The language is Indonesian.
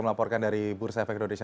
melaporkan dari bursa efek indonesia